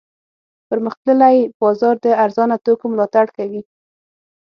پرمختللی بازار د ارزانه توکو ملاتړ کوي.